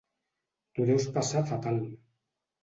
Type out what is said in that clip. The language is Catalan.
T'ho deus passar fatal.